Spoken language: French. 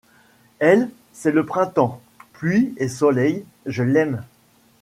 Elle, c’est le printemps ; pluie et soleil ; je l’aime ;